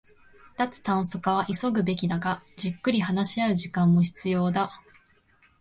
脱炭素化は急ぐべきだが、じっくり話し合う時間も必要だ